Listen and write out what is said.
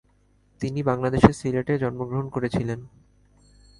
তিনি বাংলাদেশের সিলেটে জন্মগ্রহণ করেছিলেন।